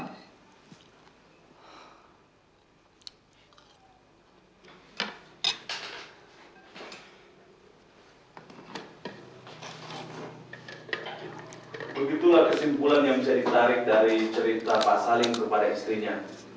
begitulah kesimpulan yang bisa ditarik dari cerita pak salim kepada istrinya